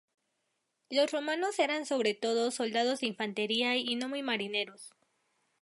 Los romanos eran sobre todo soldados de infantería y no muy marineros.